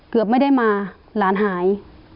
เกือบไม่ได้มาหลานหาย